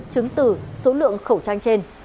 chứng từ số lượng khẩu trang trên